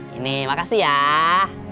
nah terima kasih